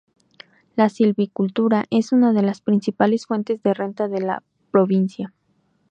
La silvicultura es una de las principales fuentes de renta de la provincia.